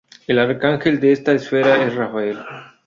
El arcángel de esta esfera es Rafael.